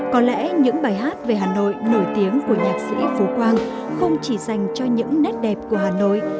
có lẽ những bài hát về hà nội nổi tiếng của nhạc sĩ phú quang không chỉ dành cho những nét đẹp của hà nội